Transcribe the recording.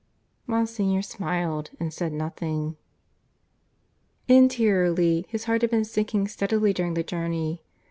Monsignor smiled and said nothing. Interiorly his heart had been sinking steadily during the journey.